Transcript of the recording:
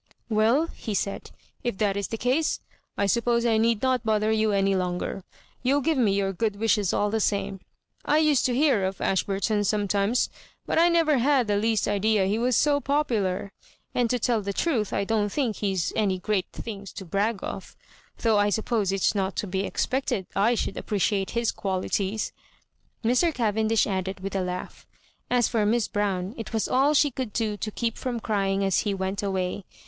" Well," he said, "if that is the case, I sup p<>se I need not bother you any longer. You'll give me your good wishes all the same. I used to hear of Ashburton sometimes, but I never had the least idea he was so popular. And to tell the truth I don't think he*s any great thmgs to brag of— though I suppose it's not to be expected / should appreciate his qualities," Mr. Cavendish added, with a laugh. As for MLss Brown, it was all she could do to keep from crying as he went away.